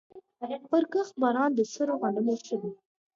پرکښت باران د سرو غنمو شوی